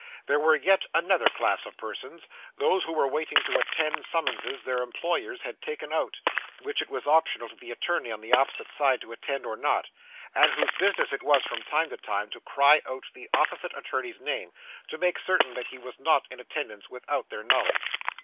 There were yet another class of persons those who were waiting to attend summonses their employers had taken out, which it was optional to the attorney on the opposite side to attend or not and whose business it was, from time to time, to cry out the opposite attorney's name; to make certain that he was not in attendance without their knowledge.